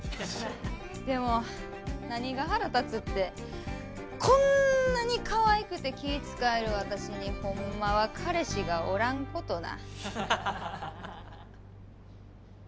でも何が腹立つってこんなにかわいくて気ぃ使える私にホンマは彼氏がおらん事な。